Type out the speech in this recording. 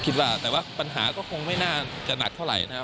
ว่าแต่ว่าปัญหาก็คงไม่น่าจะหนักเท่าไหร่นะครับ